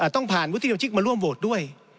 ต้องผ่านวุฒิสมาชิกมาร่วมโหวตด้วย